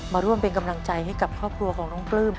มาร่วมเป็นกำลังใจให้กับครอบครัวของน้องปลื้ม